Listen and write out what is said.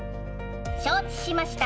承知しました。